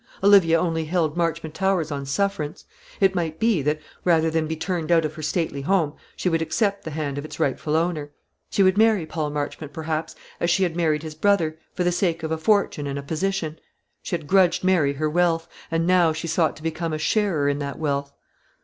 Olivia only held Marchmont Towers on sufferance. It might be that, rather than be turned out of her stately home, she would accept the hand of its rightful owner. She would marry Paul Marchmont, perhaps, as she had married his brother, for the sake of a fortune and a position. She had grudged Mary her wealth, and now she sought to become a sharer in that wealth.